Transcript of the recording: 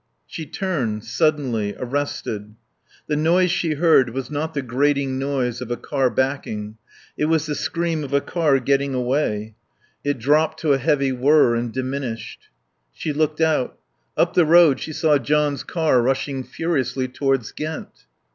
She turned, suddenly, arrested. The noise she heard was not the grating noise of a car backing, it was the scream of a car getting away; it dropped to a heavy whirr and diminished. She looked out. Up the road she saw John's car rushing furiously towards Ghent.